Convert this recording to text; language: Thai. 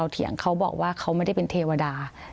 เถียงเขาบอกว่าเขาไม่ได้เป็นเทวดา